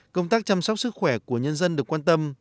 công tác chăm sóc sức khỏe của nhân dân được quan tâm